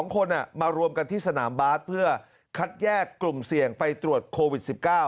๒คนมารวมกันที่สนามบาสเพื่อคัดแยกกลุ่มเสี่ยงไปตรวจโควิด๑๙